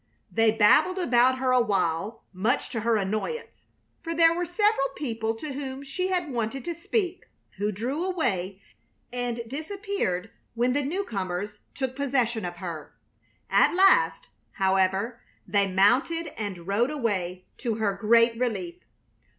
They babbled about her awhile, much to her annoyance, for there were several people to whom she had wanted to speak, who drew away and disappeared when the new comers took possession of her. At last, however, they mounted and rode away, to her great relief.